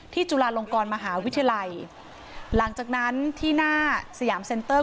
จุฬาลงกรมหาวิทยาลัยหลังจากนั้นที่หน้าสยามเซ็นเตอร์